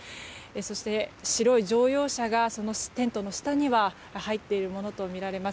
そして白い乗用車がテントの下に入っているものとみられます。